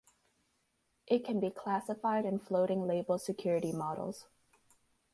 It can be classified in floating label security models.